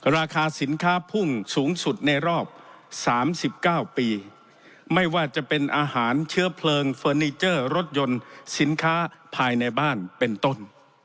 ราคาสินค้าพุ่งสูงสุดในรอบ๓๙ปีไม่ว่าจะเป็นอาหารเชื้อเพลิงเฟอร์นิเจอร์รถยนต์สินค้าภายในบ้านเป็นต้น